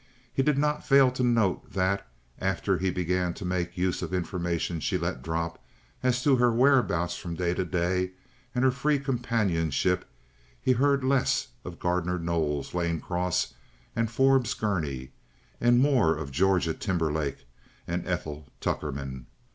He did not fail to note that, after he began to make use of information she let drop as to her whereabouts from day to day and her free companionship, he heard less of Gardner Knowles, Lane Cross, and Forbes Gurney, and more of Georgia Timberlake and Ethel Tuckerman.